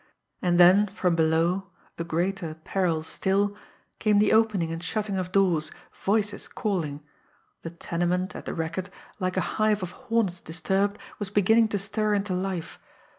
And then from below, a greater peril still, came the opening and shutting of doors, voices calling the tenement, at the racket, like a hive of hornets disturbed, was beginning to stir into life.